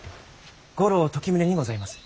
五郎時致にございます。